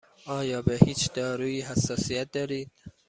آیا به هیچ دارویی حساسیت دارید؟